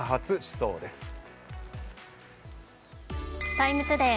「ＴＩＭＥ，ＴＯＤＡＹ」